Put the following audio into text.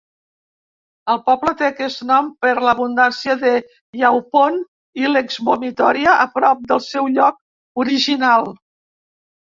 El poble té aquest nom per l'abundància de "yaupon" (Ilex vomitoria) a prop del seu lloc original.